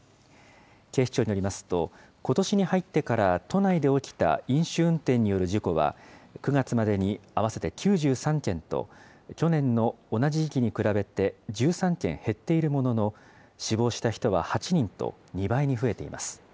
警視庁によりますと、ことしに入ってから都内で起きた飲酒運転による事故は、９月までに合わせて９３件と、去年の同じ時期に比べて１３件減っているものの、死亡した人は８人と、２倍に増えています。